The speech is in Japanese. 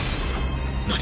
何！？